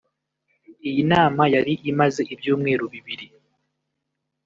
Iyi nama yari imaze ibyumweru bibiri